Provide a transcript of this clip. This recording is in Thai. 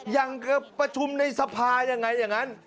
อย่างประชุมในสภายังไงอย่างนั้น